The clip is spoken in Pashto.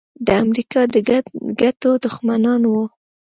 د امریکا د ګټو دښمنان وو.